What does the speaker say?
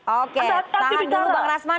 oke tahan dulu bang rasman